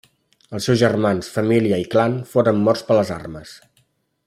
Els seus germans, família i clan foren morts per les armes.